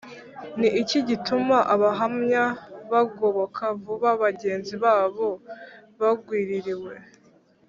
Ni iki gituma Abahamya bagoboka vuba bagenzi babo bagwiririwe